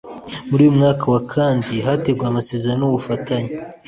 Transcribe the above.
muri uyu mwaka wa kandi hateguwe amasezerano y ubufatanye